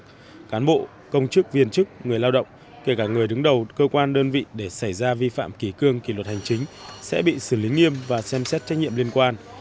các cán bộ công chức viên chức người lao động kể cả người đứng đầu cơ quan đơn vị để xảy ra vi phạm kỳ cương kỳ luật hành chính sẽ bị xử lý nghiêm và xem xét trách nhiệm liên quan